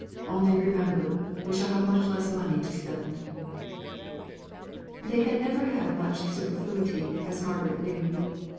Only remember, we shall have much less money to spend." They had never had much superfluity, as Margaret knew.